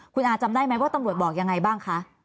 คุณอาจำได้ไหมว่าตำรวจบอกยังไงบ้างคะ